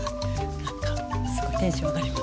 なんかすごいテンション上がります。